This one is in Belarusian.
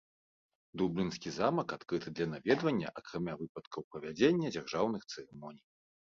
Дублінскі замак адкрыты для наведвання, акрамя выпадкаў правядзення дзяржаўных цырымоній.